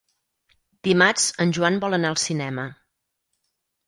Dimarts en Joan vol anar al cinema.